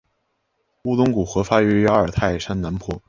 乌伦古河发源于阿尔泰山南坡。